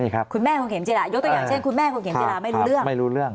คุณแม่คุณเขมจิลายกตัวอย่างเช่นคุณแม่คุณเขมจิลาไม่รู้เรื่อง